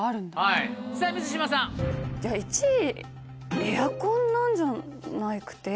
いや１位エアコンなんじゃなくて？